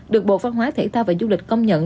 được bộ văn hóa thể thao và du lịch công nhận